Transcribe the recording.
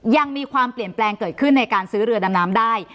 ยังมีความเปลี่ยนแปลงเกิดขึ้นในการซื้อเรือดำน้ำได้